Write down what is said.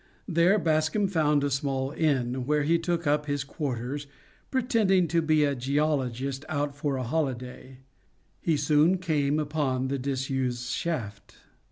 There Bascombe found a small inn, where he took up his quarters, pretending to be a geologist out for a holiday. He soon came upon the disused shaft.